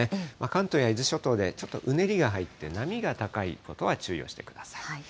関東や伊豆諸島でちょっとうねりが入って、波が高いことは注意をしてください。